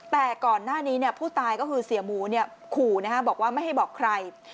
แต่ก่อนหน้านี้ผู้ตายก็คือเสียหมูขู่บอกว่าไม่ให้บอกใคร